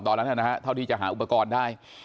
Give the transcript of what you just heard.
ตอนนั้นแหละนะฮะเท่าที่จะหาอุปกรณ์ได้